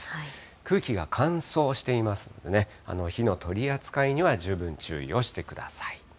空気が乾燥していますのでね、火の取り扱いには十分注意をしてください。